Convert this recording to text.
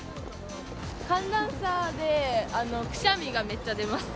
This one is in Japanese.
寒暖差で、くしゃみがめっちゃ出ます。